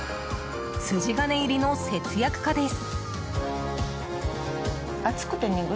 筋金入りの節約家です。